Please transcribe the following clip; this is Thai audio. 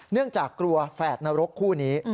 เนื่องจากกลัวแฝดนรกคู่นี้